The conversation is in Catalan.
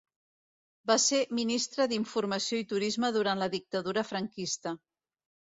Va ser ministre d'Informació i Turisme durant la dictadura franquista.